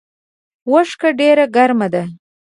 اوښکه ډیره ګرمه ده